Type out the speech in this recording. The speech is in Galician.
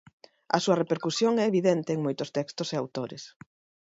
A súa repercusión é evidente en moitos textos e autores.